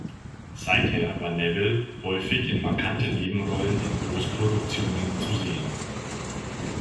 Seither war Neville häufig in markanten Nebenrollen in Großproduktionen zu sehen.